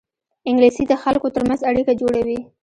انګلیسي د خلکو ترمنځ اړیکه جوړوي